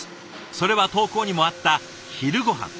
それは投稿にもあった昼ごはん。